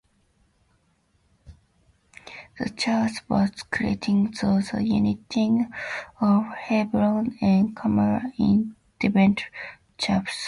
The church was created through the uniting of Hebron and Carmel Independent Chapels.